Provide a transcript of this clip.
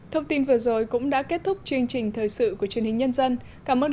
thông tin vừa rồi cũng đã kết thúc chương trình thời sự của truyền hình nhân dân cảm ơn